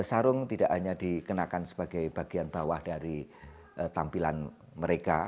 sarung tidak hanya dikenakan sebagai bagian bawah dari tampilan mereka